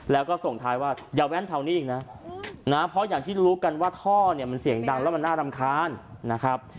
แล้วก็ส่งท้ายว่าอย่าแว้นแถวนี้อีกนะนะเพราะอย่างที่รู้กันว่าท่อเนี่ยมันเสียงดังแล้วมันน่ารำคาญนะครับ